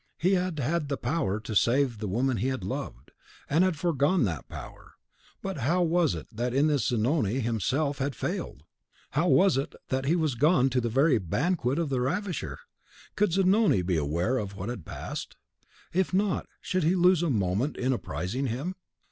He had had the power to save the woman he had loved, and had foregone that power; but how was it that in this Zanoni himself had failed? How was it that he was gone to the very banquet of the ravisher? Could Zanoni be aware of what had passed? If not, should he lose a moment in apprising him?